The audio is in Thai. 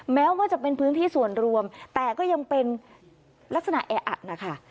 แม้ว่าจะเป็นพื้นที่ส่วนรวมแต่ก็ยังเป็นลักษณะแออัดนะคะ